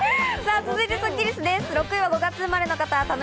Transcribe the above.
続いてスッキりすです。